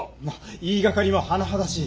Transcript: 言いがかりは甚だしい。